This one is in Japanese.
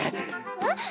えっ？